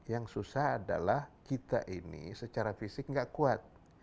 yang susah adalah kita ini secara fisik tidak kuat